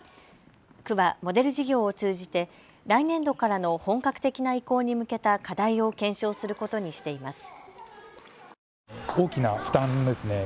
区はモデル事業を通じて来年度からの本格的な移行に向けた課題を検証することにしています。